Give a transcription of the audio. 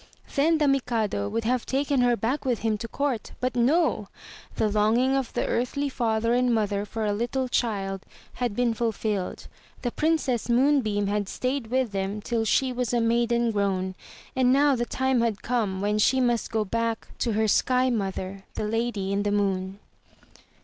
Then the Mikado would have taken her back with him to court, but no! — the longing of the earthly father and mother for a little child had been fulfilled, the Princess Moonbeam had stayed with them till she was a maiden grown, and now the time had come when she must go back to her sky mother, the Lady in the Moon.